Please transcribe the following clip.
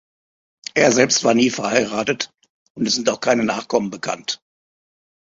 Er selbst war nie verheiratet und es sind auch keine Nachkommen bekannt.